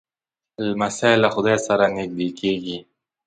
لمسی له خدای سره نږدې کېږي.